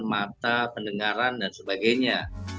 mata pendengaran dan sebagainya